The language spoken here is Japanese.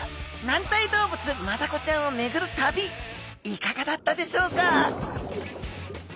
軟体動物マダコちゃんをめぐる旅いかがだったでしょうか？